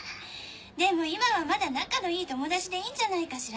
でも今はまだ仲のいい友達でいいんじゃないかしら。